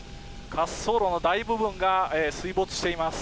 滑走路の大部分が水没しています。